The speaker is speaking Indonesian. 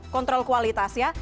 kontrol kualitas ya